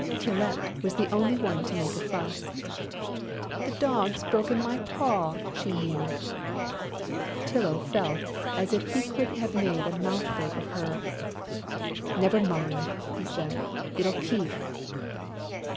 Tylette was the only one to make a fuss: "The Dog's broken my paw!" she mewed. Tylô felt as if he could have made a mouthful of her: "Never mind!" he said. "It'll keep!"